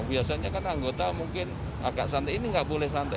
biasanya kan anggota mungkin agak santai ini nggak boleh santai